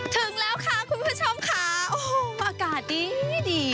ถึงแล้วค่ะคุณผู้ชมค่ะโอ้โหอากาศดีดี